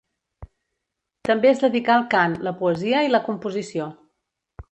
També es dedicà al cant, la poesia i la composició.